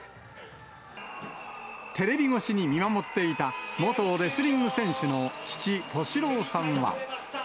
テレビ越しに見守っていた、元レスリング選手の父、敏郎さんは。